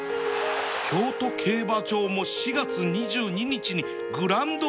京都競馬場も４月２２日にグランドオープン